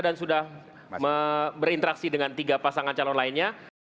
dan sudah berinteraksi dengan tiga pasangan calon lainnya